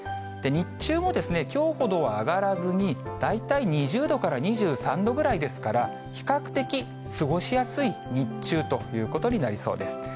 日中もきょうほどは上がらずに、大体２０度から２３度ぐらいですから、比較的過ごしやすい日中ということになりそうです。